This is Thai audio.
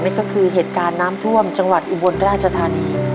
นั่นก็คือเหตุการณ์น้ำท่วมจังหวัดอุบลราชธานี